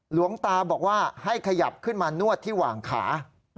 หลวงตาบอกว่าให้ขยับขึ้นมานวดที่หว่างขา